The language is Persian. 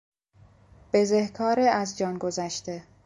بزهکار از جان گذشته